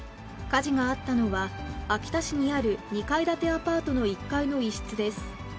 火事があったのは、秋田市にある２階建てアパートの１階の一室です。